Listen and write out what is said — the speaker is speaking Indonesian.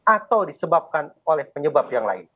atau disebabkan oleh penyebab yang lain